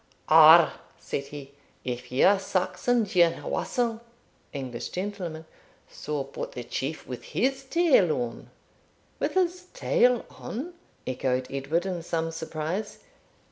'Ah!' said he, 'if you Saxon duinhe wassel (English gentleman) saw but the Chief with his tail on!' 'With his tail on?' echoed Edward in some surprise.